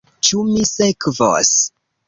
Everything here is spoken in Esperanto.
Ĉu mi sekvos?